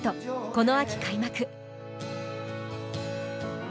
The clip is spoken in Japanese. この秋開幕。